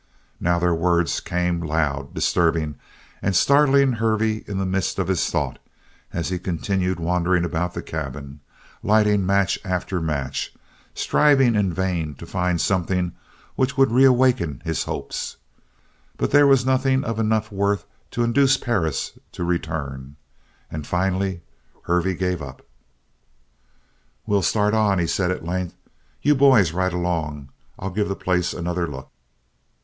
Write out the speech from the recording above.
Now their words came loud, disturbing and startling Hervey in the midst of his thoughts, as he continued wandering about the cabin, lighting match after match, striving in vain to find something which would reawaken his hopes. But there was nothing of enough worth to induce Perris to return, and finally Hervey gave up. "We'll start on," he said at length. "You boys ride along. I'll give the place another look."